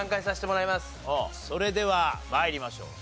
それでは参りましょう。